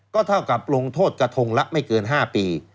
ก็เท่ากับลงโทษกระทงละไม่เกิน๕ปี